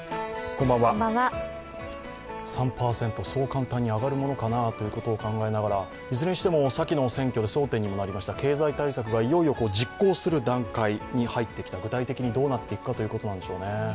３％、そう簡単に上がるものかなということを考えながらいずれにしても、さきの選挙で争点にもなりました経済対策がいよいよ実行する段階に入ってきた、具体的にどうなっていくかということなんでしょうね。